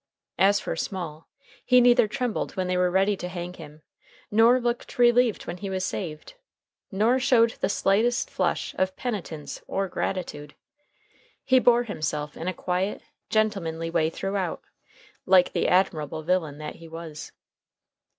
As for Small, he neither trembled when they were ready to hang him, nor looked relieved when he was saved, nor showed the slightest flush of penitence or gratitude. He bore himself in a quiet, gentlemanly way throughout, like the admirable villain that he was.